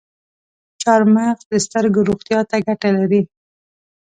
چارمغز د سترګو روغتیا ته ګټه لري.